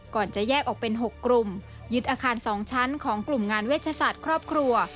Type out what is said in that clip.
ก่อนจะแยกออกเป็น๖กลุ่มยึดอาคาร๒ชั้นของกลุ่มงานเวชศาสตร์ครอบครัว